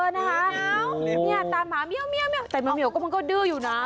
ตามหาเมียวแต่เหมียวต้องก็ดื้ออยู่นะ